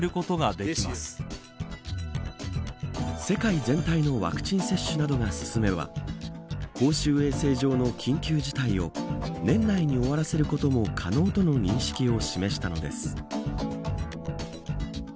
世界全体のワクチン接種などが進めば公衆衛生上の緊急事態を年内に終わらせることも可能との認識を示したのです。